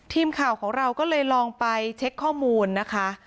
ทีมข่าวของเราก็เลยลองไปเช็คข้อมูลนะคะ